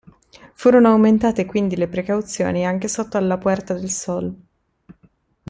Furono aumentate, quindi, le precauzioni anche sotto alla Puerta del Sol.